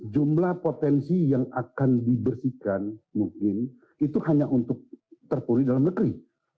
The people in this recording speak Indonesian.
jumlah potensi yang akan dibersihkan mungkin itu hanya untuk terpuru dalam negeri